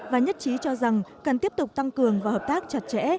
và nhất trí cho rằng cần tiếp tục tăng cường và hợp tác chặt chẽ